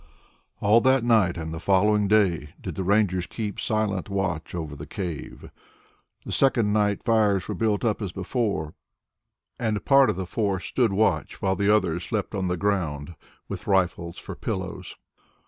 All that night and the following day did the Rangers keep silent watch over the cave. The second night fires were built up as before, and part of the force stood watch while the others slept on the ground with rifles for pillows.